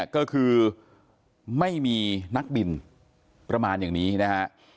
ก็คือไม่มีนักบินประมาณอย่างนี้นะฮะ